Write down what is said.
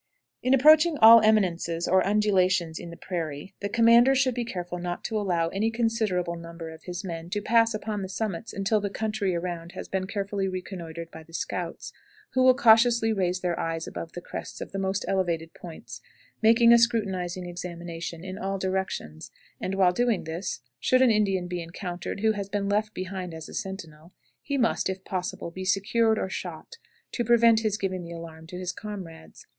In approaching all eminences or undulations in the prairies, the commander should be careful not to allow any considerable number of his men to pass upon the summits until the country around has been carefully reconnoitred by the scouts, who will cautiously raise their eyes above the crests of the most elevated points, making a scrutinizing examination in all directions; and, while doing this, should an Indian be encountered who has been left behind as a sentinel, he must, if possible, be secured or shot, to prevent his giving the alarm to his comrades.